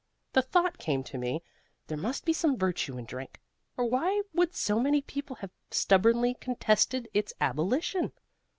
The thought came to me, there must be some virtue in drink, or why would so many people have stubbornly contested its abolition?